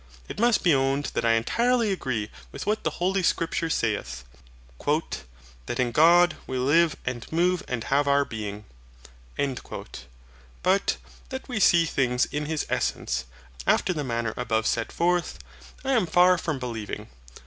It must be owned that I entirely agree with what the holy Scripture saith, "That in God we live and move and have our being." But that we see things in His essence, after the manner above set forth, I am far from believing.